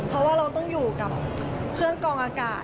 เพราะว่าเราต้องอยู่กับเครื่องกองอากาศ